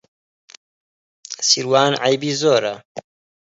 سیروان عەیبی زۆرە.